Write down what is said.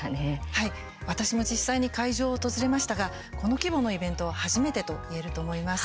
はい、私も実際に会場を訪れましたがこの規模のイベントは初めてといえると思います。